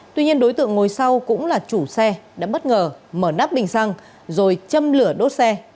tuy nhiên đối tượng ngồi sau cũng là chủ xe đã bất ngờ mở nắp bình xăng rồi châm lửa đốt xe